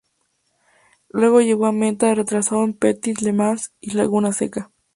Luego llegó a meta retrasado en Petit Le Mans y Laguna Seca.